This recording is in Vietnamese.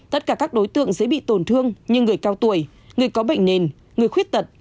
tất cả các đối tượng dễ bị tổn thương như người cao tuổi người có bệnh nền người khuyết tật